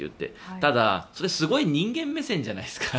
ただ、それはすごく人間目線じゃないですか。